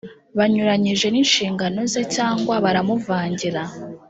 banyuranyije n’inshingano ze cyangwa baramuvangira